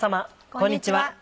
こんにちは。